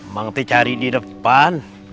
bang aku cari di depan